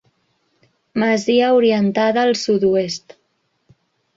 Masia orientada al sud-oest.